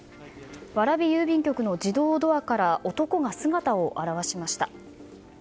蕨郵便局の自動ドアから男が姿を現しました。